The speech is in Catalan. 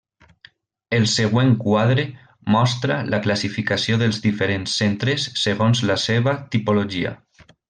El següent quadre mostra la classificació dels diferents centres segons la seva tipologia.